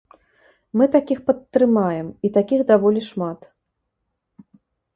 Мы такіх падтрымаем, і такіх даволі шмат.